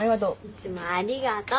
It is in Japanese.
いつもありがとう。